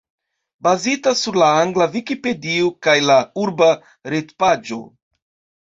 Bazita sur la angla Vikipedio kaj la urba retpaĝo.